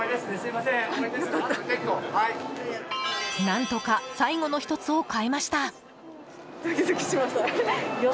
何とか最後の１つを買えました。